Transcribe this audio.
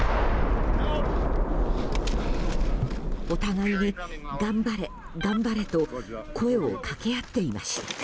お互いに頑張れ、頑張れと声を掛け合っていました。